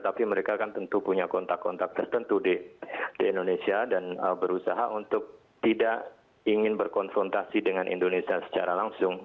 tapi mereka kan tentu punya kontak kontak tertentu di indonesia dan berusaha untuk tidak ingin berkonfrontasi dengan indonesia secara langsung